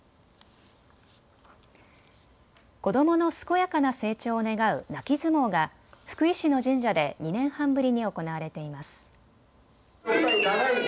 子どもの健やかな成長を願う泣き相撲が福井市の神社で２年半ぶりに行われています。